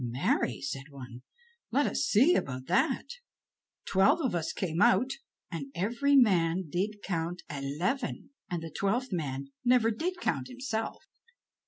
"Marry," said one, "let us see about that. Twelve of us came out," and every man did count eleven, and the twelfth man did never count himself.